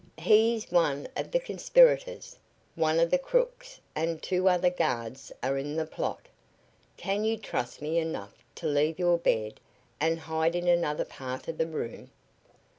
"He is one of the conspirators. One of the cooks and two other guards are in the plot. Can you trust me enough to leave your bed and hide in another part of the room?